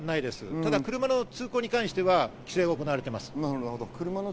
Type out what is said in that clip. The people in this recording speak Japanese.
ただ車の通行に関しては規制が行われています。